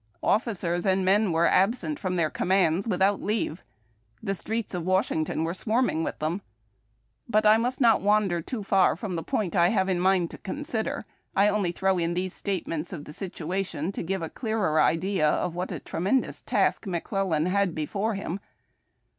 Officers and men were absent from their commands without leave. The streets of Washington were swarming with them. But I must not wander too far from the point I have in mind to consider. I only throw in these statements of the situa tion to sfive a clearer idea of what a tremendous task McClellan had before him.